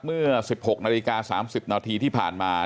เมื่อ๑๖นาฬิกา๓๐นาทีที่ผ่านมา